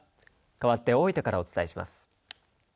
かわって大分からお伝えします。